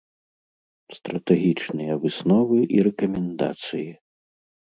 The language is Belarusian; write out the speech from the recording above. Стратэгічныя высновы і рэкамендацыі.